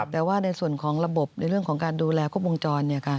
แต่ว่าในส่วนของระบบในเรื่องของการดูแลครบวงจร